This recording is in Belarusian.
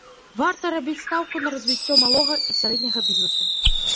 Варта рабіць стаўку на развіццё малога і сярэдняга бізнесу.